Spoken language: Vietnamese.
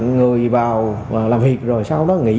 người vào làm việc rồi sau đó nghỉ